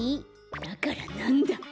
だからなんだ？